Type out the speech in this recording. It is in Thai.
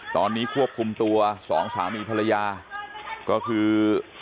ตอนนี้ควบคุมตัวสองสามีภรรยาก็คือ